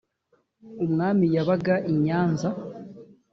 umwami yabaga i nyanza